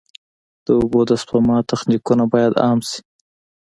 د اوبو د سپما تخنیکونه باید عام شي.